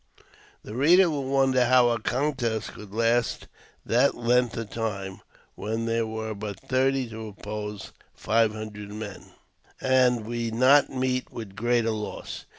The reader will wonder how a contest could last that length of time when there were but thirty to oppose five hundred men, and we not meet with greater loss.